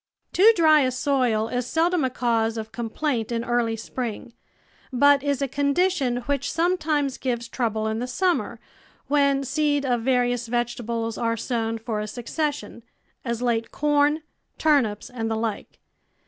Too dry a soil is seldom a cause of complaint in early spring, but is a condition which sometimes gives trouble in the summer, when seed of various vegetables are sown for a succession — as late corn, turnips, and the like.